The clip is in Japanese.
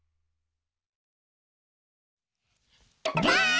ばあっ！